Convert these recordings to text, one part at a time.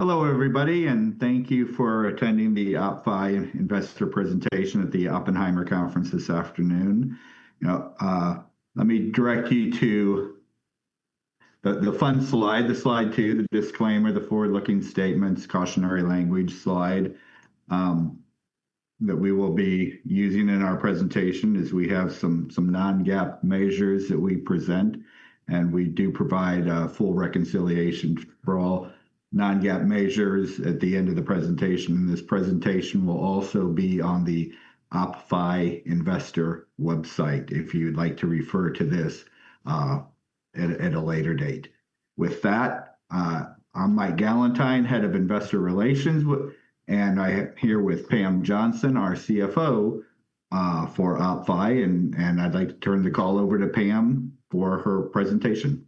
Hello, everybody, and thank you for attending the OppFi investor presentation at the Oppenheimer Conference this afternoon. Let me direct you to the fun slide, slide two, the disclaimer, the forward-looking statements, cautionary language slide that we will be using in our presentation as we have some non-GAAP measures that we present. We do provide a full reconciliation for all non-GAAP measures at the end of the presentation. This presentation will also be on the OppFi investor website if you would like to refer to this at a later date. With that, I'm Mike Gallentine, Head of Investor Relations, and I'm here with Pamela Johnson, our CFO for OppFi, and I'd like to turn the call over to Pam for her presentation.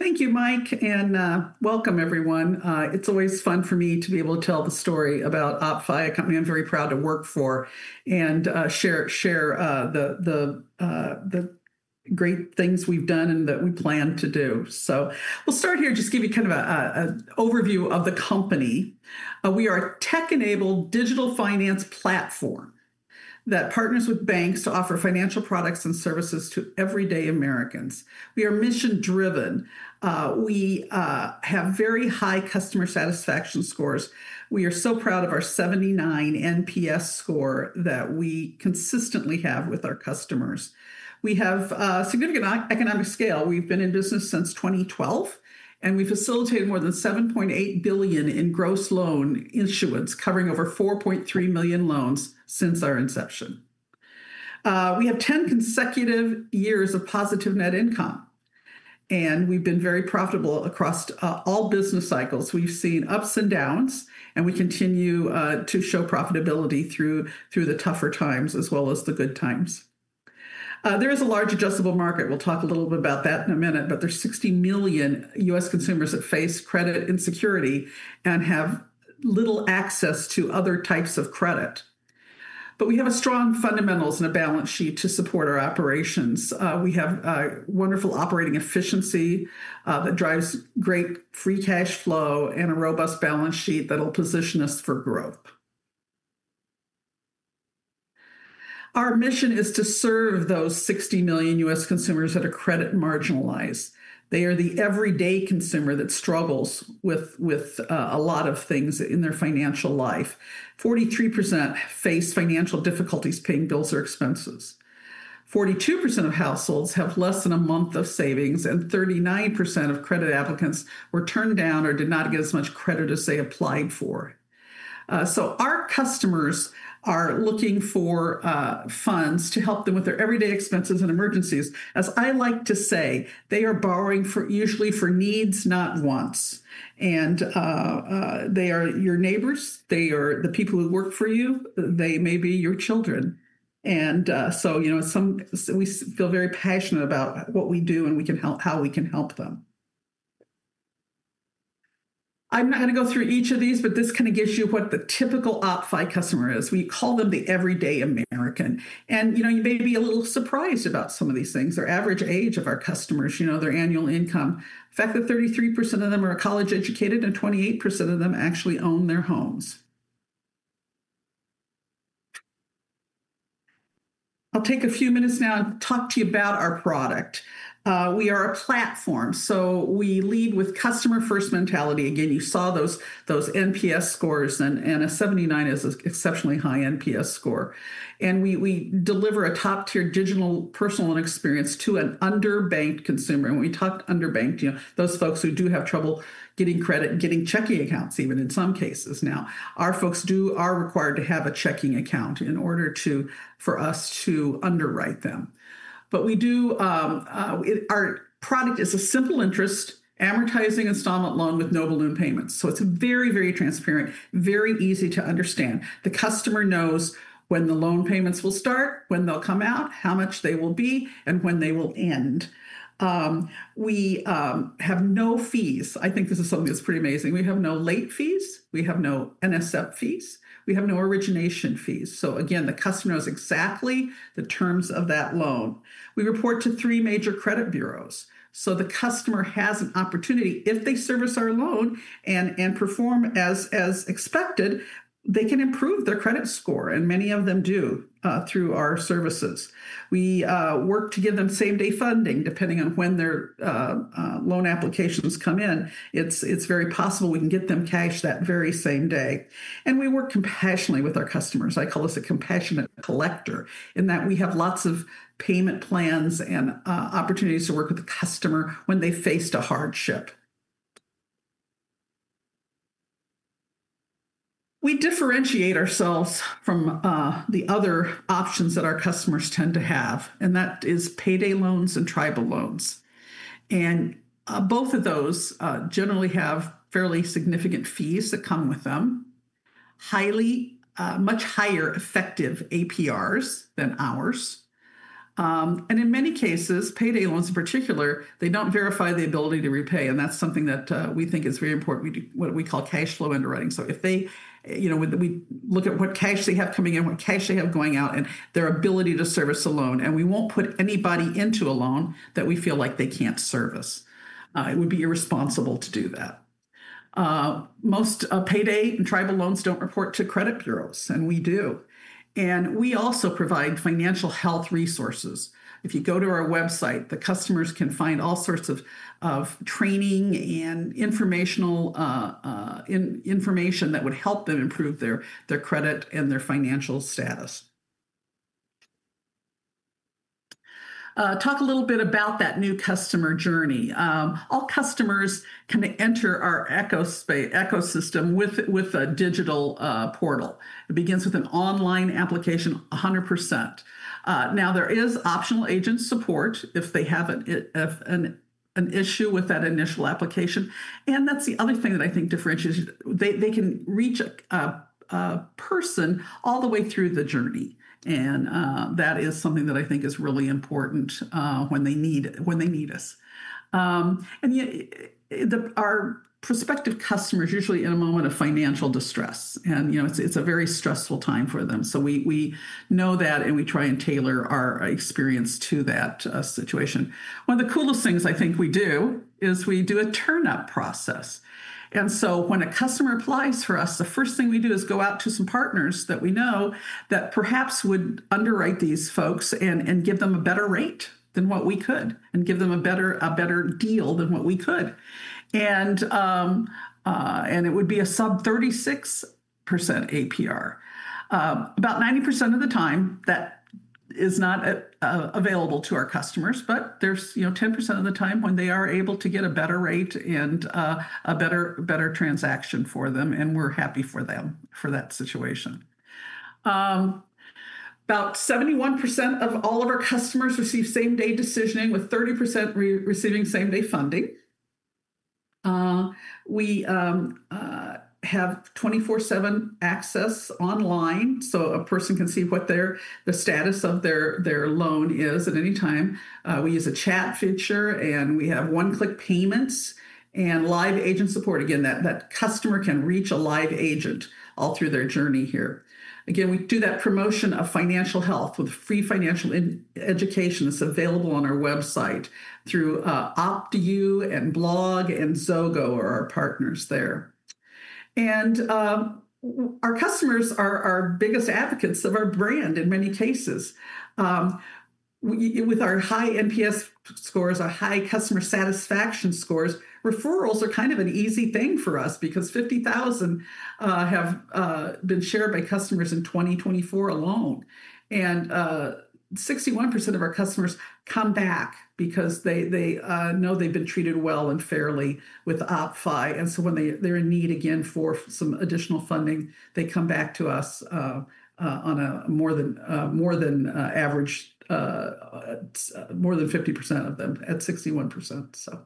Thank you, Mike, and welcome, everyone. It's always fun for me to be able to tell the story about OppFi, a company I'm very proud to work for, and share the great things we've done and that we plan to do. We'll start here, just give you kind of an overview of the company. We are a tech-enabled digital finance platform that partners with banks to offer financial products and services to everyday Americans. We are mission-driven. We have very high customer satisfaction scores. We are so proud of our 79 NPS that we consistently have with our customers. We have a significant economic scale. We've been in business since 2012, and we facilitated more than $7.8 billion in gross loan issuance, covering over $4.3 million loans since our inception. We have 10 consecutive years of positive net income, and we've been very profitable across all business cycles. We've seen ups and downs, and we continue to show profitability through the tougher times as well as the good times. There is a large addressable market. I'll talk a little bit about that in a minute, but there's 60 million U.S., consumers that face credit insecurity and have little access to other types of credit. We have strong fundamentals and a balance sheet to support our operations. We have wonderful operating efficiency that drives great free cash flow and a robust balance sheet that will position us for growth. Our mission is to serve those 60 million U.S., consumers that are credit marginalized. They are the everyday consumer that struggles with a lot of things in their financial life. 43% face financial difficulties paying bills or expenses. 42% of households have less than a month of savings, and 39% of credit applicants were turned down or did not get as much credit as they applied for. Our customers are looking for funds to help them with their everyday expenses and emergencies. As I like to say, they are borrowing usually for needs, not wants. They are your neighbors. They are the people who work for you. They may be your children. We feel very passionate about what we do and how we can help them. I'm not going to go through each of these, but this kind of gives you what the typical OppFi customer is. We call them the everyday American. You may be a little surprised about some of these things. The average age of our customers, their annual income, the fact that 33% of them are college educated and 28% of them actually own their homes. I'll take a few minutes now and talk to you about our product. We are a platform. We lead with a customer-first mentality. You saw those NPS, and a 79 is an exceptionally high NPS. We deliver a top-tier digital personal experience to an underbanked consumer. When we talk to underbanked, those folks do have trouble getting credit and getting checking accounts, even in some cases now. Our folks are required to have a checking account in order for us to underwrite them. Our product is a simple interest amortizing installment loan with no balloon payments. It's very, very transparent, very easy to understand. The customer knows when the loan payments will start, when they'll come out, how much they will be, and when they will end. We have no fees. I think this is something that's pretty amazing. We have no late fees. We have no NSF fees. We have no origination fees. The customer knows exactly the terms of that loan. We report to three major credit bureaus. The customer has an opportunity, if they service our loan and perform as expected, they can improve their credit score, and many of them do through our services. We work to give them same-day funding depending on when their loan applications come in. It's very possible we can get them cash that very same day. We work compassionately with our customers. I call us a compassionate collector in that we have lots of payment plans and opportunities to work with the customer when they face a hardship. We differentiate ourselves from the other options that our customers tend to have, which are payday loans and tribal loans. Both of those generally have fairly significant fees that come with them, much higher effective APRs than ours. In many cases, payday loans in particular don't verify the ability to repay, and that's something that we think is very important, what we call cash flow underwriting. We look at what cash they have coming in, what cash they have going out, and their ability to service a loan, and we won't put anybody into a loan that we feel like they can't service. It would be irresponsible to do that. Most payday and tribal loans don't report to credit bureaus, and we do. We also provide financial health resources. If you go to our website, the customers can find all sorts of training and information that would help them improve their credit and their financial status. Talk a little bit about that new customer journey. All customers can enter our ecosystem with a digital portal. It begins with an online application, 100%. There is optional agent support if they have an issue with that initial application. That is the other thing that I think differentiates. They can reach a person all the way through the journey. That is something that I think is really important when they need us. Our prospective customers are usually in a moment of financial distress. It is a very stressful time for them. We know that, and we try and tailor our experience to that situation. One of the coolest things I think we do is we do a turnout process. When a customer applies for us, the first thing we do is go out to some partners that we know that perhaps would underwrite these folks and give them a better rate than what we could and give them a better deal than what we could. It would be a sub-36% APR. About 90% of the time, that is not available to our customers, but there is 10% of the time when they are able to get a better rate and a better transaction for them, and we're happy for them for that situation. About 71% of all of our customers receive same-day decisioning, with 30% receiving same-day funding. We have 24/7 access online, so a person can see what the status of their loan is at any time. We use a chat feature, and we have one-click payments and live agent support. That customer can reach a live agent all through their journey here. We do that promotion of financial health with free financial education that's available on our website through OppU and Blog, and Zogo are our partners there. Our customers are our biggest advocates of our brand in many cases. With our high NPS scores, our high customer satisfaction scores, referrals are kind of an easy thing for us because 50,000 have been shared by customers in 2024 alone. 61% of our customers come back because they know they've been treated well and fairly with OppFi. When they're in need again for some additional funding, they come back to us on a more than average, more than 50% of them at 61%.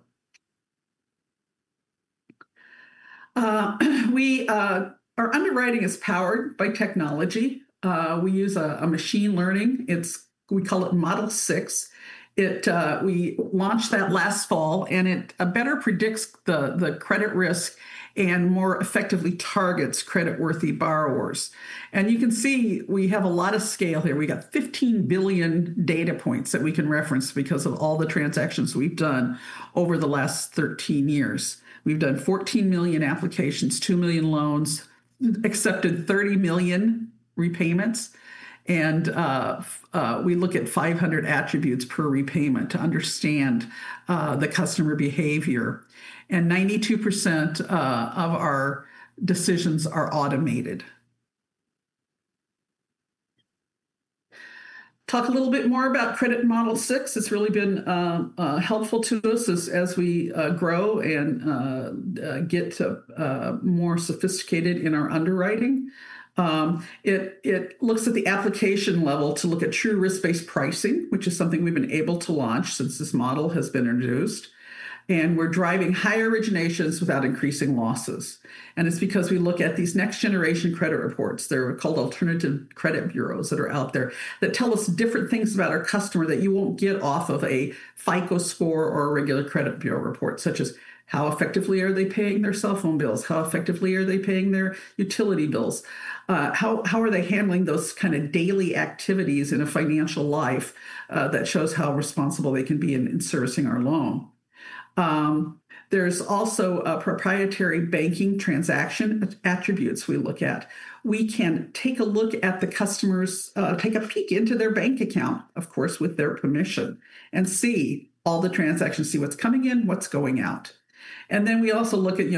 Our underwriting is powered by technology. We use machine learning. We call it Model 6. We launched that last fall, and it better predicts the credit risk and more effectively targets credit-worthy borrowers. You can see we have a lot of scale here. We got 15 billion data points that we can reference because of all the transactions we've done over the last 13 years. We've done 14 million applications, 2 million loans, accepted 30 million repayments. We look at 500 attributes per repayment to understand the customer behavior. 92% of our decisions are automated. Talk a little bit more about Credit Model 6. It's really been helpful to us as we grow and get more sophisticated in our underwriting. It looks at the application level to look at true risk-based pricing, which is something we've been able to launch since this model has been introduced. We're driving higher originations without increasing losses. It's because we look at these next-generation credit reports. They're called alternative credit bureaus that are out there that tell us different things about our customer that you won't get off of a FICO score or a regular credit bureau report, such as how effectively are they paying their cell phone bills, how effectively are they paying their utility bills, how are they handling those kind of daily activities in a financial life that shows how responsible they can be in servicing our loan. There's also proprietary banking transaction attributes we look at. We can take a look at the customers, take a peek into their bank account, of course, with their permission, and see all the transactions, see what's coming in, what's going out. We also look at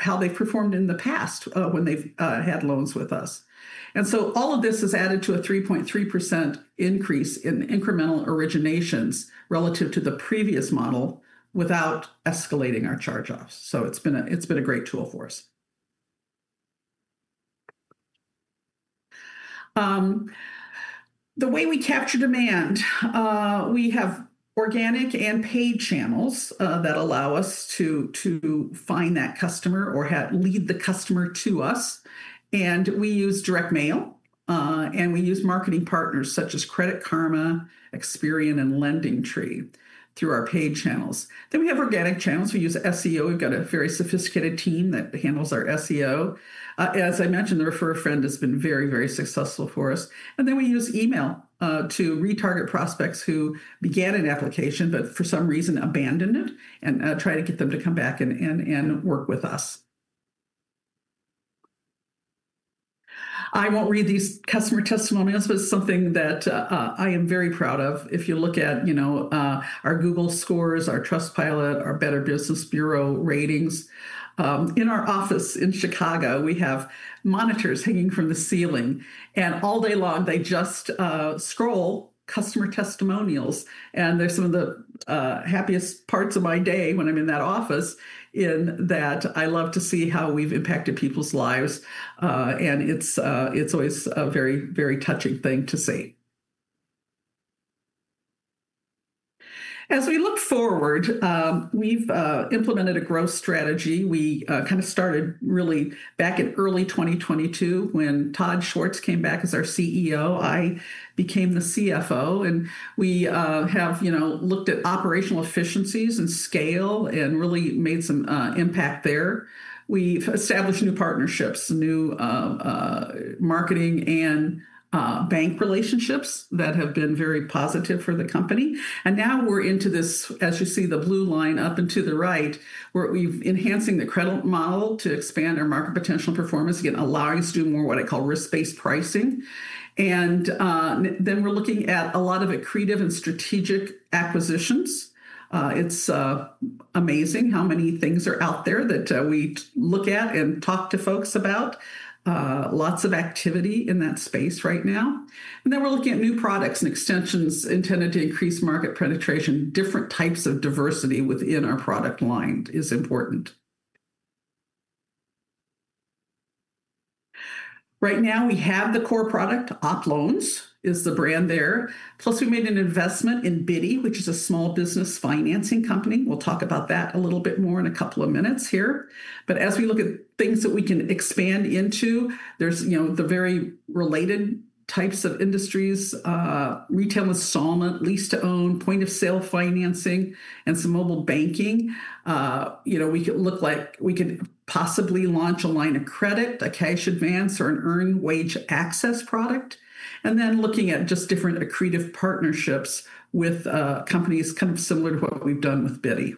how they've performed in the past when they've had loans with us. All of this has added to a 3.3% increase in incremental originations relative to the previous model without escalating our charge-offs. It's been a great tool for us. The way we capture demand, we have organic and paid channels that allow us to find that customer or lead the customer to us. We use direct mail, and we use marketing partners such as Credit Karma, Experian, and LendingTree through our paid channels. We have organic channels. We use SEO. We've got a very sophisticated team that handles our SEO. As I mentioned, the refer a friend has been very, very successful for us. We use email to retarget prospects who began an application but for some reason abandoned it and try to get them to come back and work with us. I won't read these customer testimonials, but it's something that I am very proud of. If you look at our Google scores, our Trustpilot, our Better Business Bureau ratings, in our office in Chicago, we have monitors hanging from the ceiling. All day long, they just scroll customer testimonials. They're some of the happiest parts of my day when I'm in that office in that I love to see how we've impacted people's lives. It's always a very, very touching thing to see. As we look forward, we've implemented a growth strategy. We kind of started really back in early 2022 when Todd Schwartz came back as our CEO. I became the CFO. We have looked at operational efficiencies and scale and really made some impact there. We've established new partnerships, new marketing and bank relationships that have been very positive for the company. Now we're into this, as you see the blue line up into the right, where we're enhancing the credit model to expand our market potential and performance, again allowing us to do more what I call risk-based pricing. We're looking at a lot of creative and strategic acquisitions. It's amazing how many things are out there that we look at and talk to folks about. Lots of activity in that space right now. We're looking at new products and extensions intended to increase market penetration. Different types of diversity within our product line is important. Right now, we have the core product. OppLoans is the brand there. Plus, we made an investment in Bitty, which is a small business financing company. We'll talk about that a little bit more in a couple of minutes here. As we look at things that we can expand into, there's the very related types of industries: retail installment, lease to own, point-of-sale financing, and some mobile banking. We could look like we could possibly launch a line of credit, a cash advance, or an earned wage access product. Looking at just different creative partnerships with companies kind of similar to what we've done with Bitty.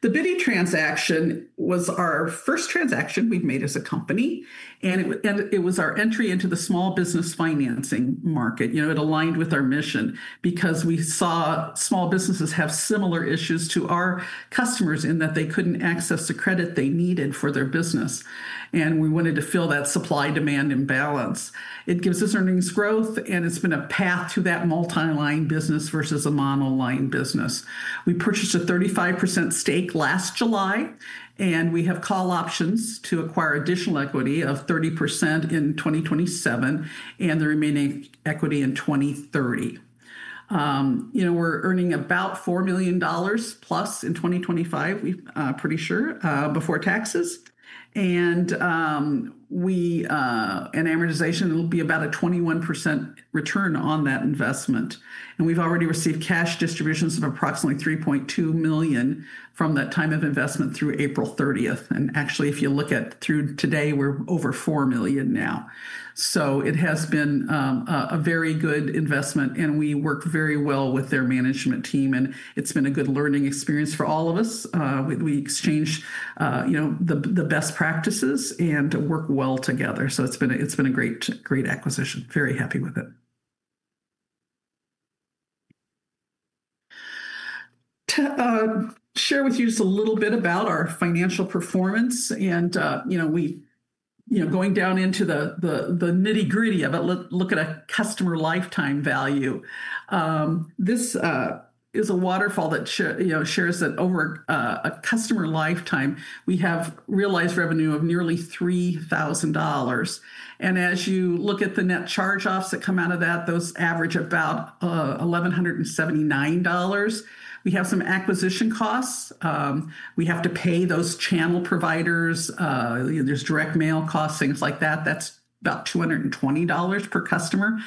The Bitty transaction was our first transaction we've made as a company. It was our entry into the small business financing market. It aligned with our mission because we saw small businesses have similar issues to our customers in that they couldn't access the credit they needed for their business. We wanted to fill that supply-demand imbalance. It gives us earnings growth, and it's been a path to that multi-line business versus a mono-line business. We purchased a 35% stake last July, and we have call options to acquire additional equity of 30% in 2027 and the remaining equity in 2030. We're earning about $4 million plus in 2025, pretty sure, before taxes. Amortization will be about a 21% return on that investment. We've already received cash distributions of approximately $3.2 million from that time of investment through April 30th. If you look at through today, we're over $4 million now. It has been a very good investment, and we work very well with their management team. It's been a good learning experience for all of us. We exchanged the best practices and work well together. It's been a great acquisition. Very happy with it. Share with you just a little bit about our financial performance. Going down into the nitty-gritty of it, look at a customer lifetime value. This is a waterfall that shares that over a customer lifetime, we have realized revenue of nearly $3,000. As you look at the net charge-offs that come out of that, those average about $1,179. We have some acquisition costs. We have to pay those channel providers. There's direct mail costs, things like that. That's about $220 per customer.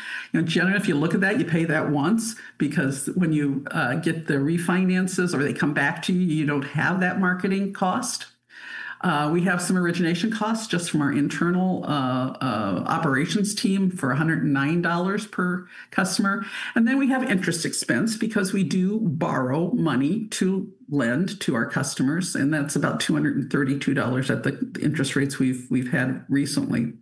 Generally, if you look at that, you pay that once because when you get the refinances or they come back to you, you don't have that marketing cost. We have some origination costs just from our internal operations team for $109 per customer. We have interest expense because we do borrow money to lend to our customers. That's about $232 at the interest rates we've had recently.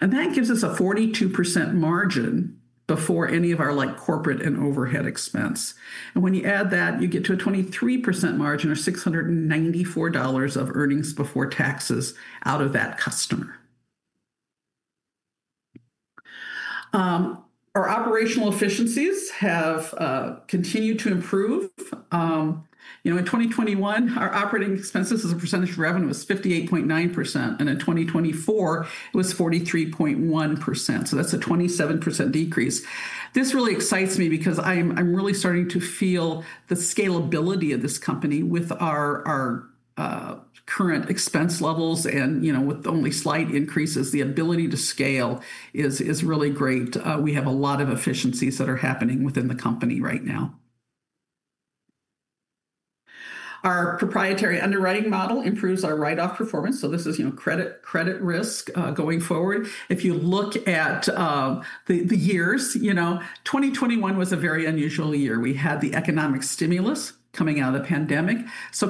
That gives us a 42% margin before any of our corporate and overhead expense. When you add that, you get to a 23% margin or $694 of earnings before taxes out of that customer. Our operational efficiencies have continued to improve. In 2021, our operating expenses as a percentage of revenue was 58.9%. In 2024, it was 43.1%. That's a 27% decrease. This really excites me because I'm really starting to feel the scalability of this company with our current expense levels. With only slight increases, the ability to scale is really great. We have a lot of efficiencies that are happening within the company right now. Our proprietary underwriting model improves our write-off performance. This is credit risk going forward. If you look at the years, 2021 was a very unusual year. We had the economic stimulus coming out of the pandemic.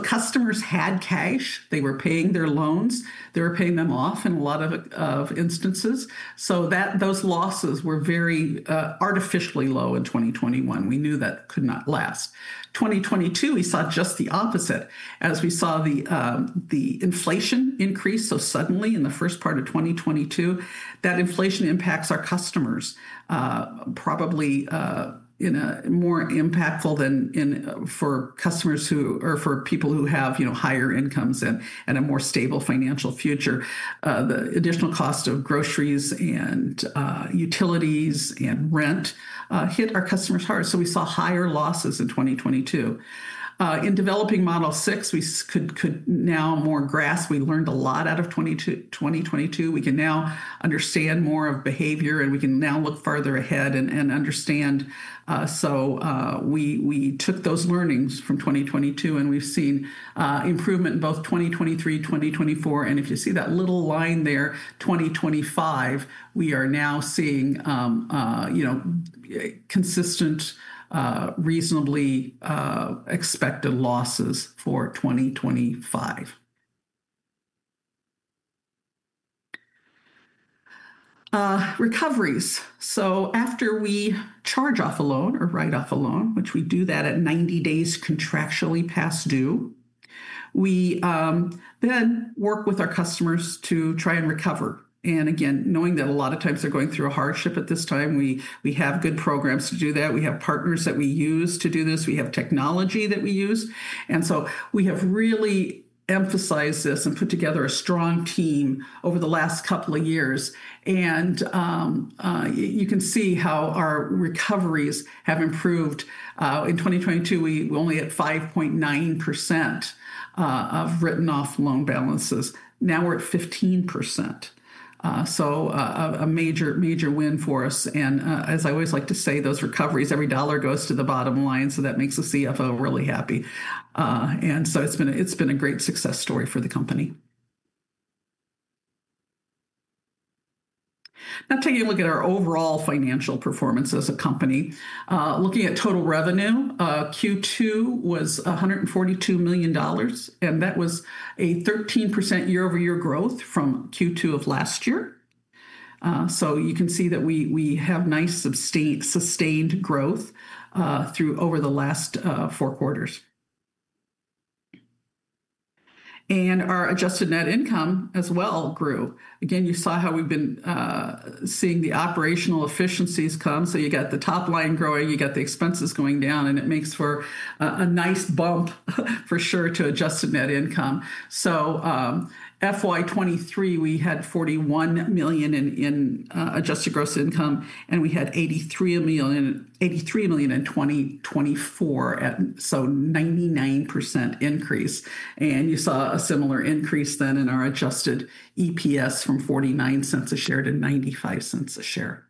Customers had cash. They were paying their loans. They were paying them off in a lot of instances. Those losses were very artificially low in 2021. We knew that could not last. In 2022, we saw just the opposite as we saw the inflation increase. Suddenly, in the first part of 2022, that inflation impacts our customers, probably more impactful than for customers who or for people who have higher incomes and a more stable financial future. The additional cost of groceries and utilities and rent hit our customers hard. We saw higher losses in 2022. In developing Credit Model 6, we could now more grasp. We learned a lot out of 2022. We can now understand more of behavior, and we can now look farther ahead and understand. We took those learnings from 2022, and we've seen improvement in both 2023, 2024. If you see that little line there, 2025, we are now seeing consistent, reasonably expected losses for 2025. Recoveries. After we charge off a loan or write off a loan, which we do at 90 days contractually past due, we then work with our customers to try and recover. Again, knowing that a lot of times they're going through a hardship at this time, we have good programs to do that. We have partners that we use to do this. We have technology that we use. We have really emphasized this and put together a strong team over the last couple of years. You can see how our recoveries have improved. In 2022, we were only at 5.9% of written-off loan balances. Now we're at 15%. A major win for us. As I always like to say, those recoveries, every dollar goes to the bottom line. That makes the CFO really happy. It's been a great success story for the company. Now taking a look at our overall financial performance as a company, looking at total revenue, Q2 was $142 million. That was a 13% year-over-year growth from Q2 of last year. You can see that we have nice sustained growth over the last four quarters. Our adjusted net income as well grew. You saw how we've been seeing the operational efficiencies come. You got the top line growing, you got the expenses going down, and it makes for a nice bump for sure to adjusted net income. FY 2023, we had $41 million in adjusted gross income, and we had $83 million in 2024. A 99% increase. You saw a similar increase then in our adjusted EPS from $0.49 a share to $0.95 a share.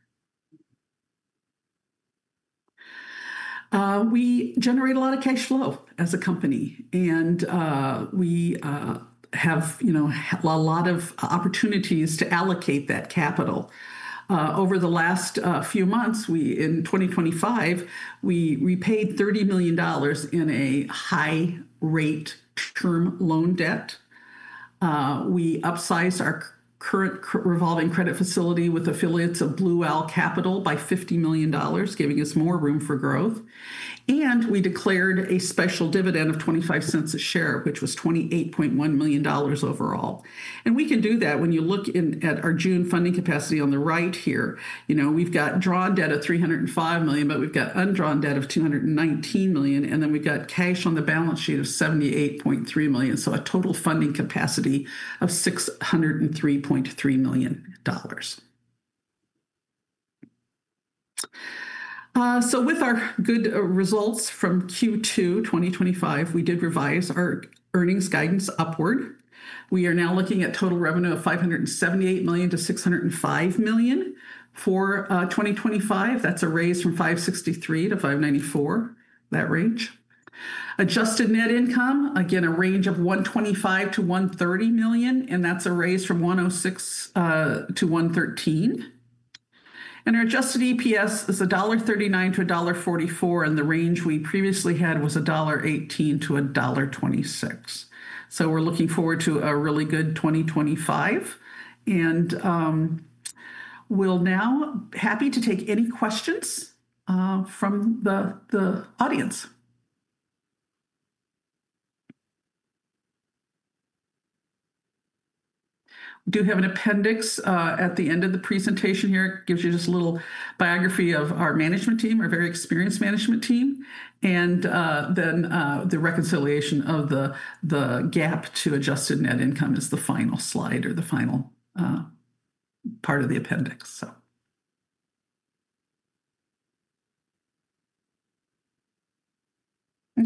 We generate a lot of cash flow as a company, and we have a lot of opportunities to allocate that capital. Over the last few months, in 2025, we repaid $30 million in a high-rate term loan debt. We upsized our current revolving credit facility with affiliates of Blue Owl Capital by $50 million, giving us more room for growth. We declared a special dividend of $0.25 a share, which was $28.1 million overall. You can do that when you look at our June funding capacity on the right here. We've got drawn debt of $305 million, but we've got undrawn debt of $219 million. We've got cash on the balance sheet of $78.3 million, for a total funding capacity of $603.3 million. With our good results from Q2 2025, we did revise our earnings guidance upward. We are now looking at total revenue of $578 million to $605 million for 2025. That's a raise from $563 million to $594 million, that range. Adjusted net income, again, a range of $125 million-$130 million, and that's a raise from $106 million-$113 million. Our adjusted EPS is $1.39-$1.44, and the range we previously had was $1.18 to $1.26. We're looking forward to a really good 2025. We're now happy to take any questions from the audience. We do have an appendix at the end of the presentation here. It gives you just a little biography of our management team, our very experienced management team. The reconciliation of the GAAP to adjusted net income is the final slide or the final part of the appendix.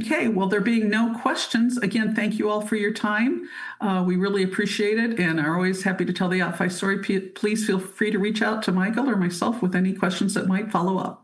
There being no questions, again, thank you all for your time. We really appreciate it and are always happy to tell the OppFi story. Please feel free to reach out to Mike or myself with any questions that might follow up. Thank you.